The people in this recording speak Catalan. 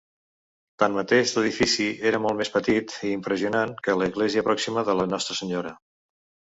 Tanmateix, l'edifici era molt més petit i impressionant que l'església pròxima de la Nostra Senyora.